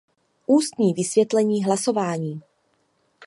Ústní vysvětlení hlasování.